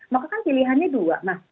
maka kan pilihannya dua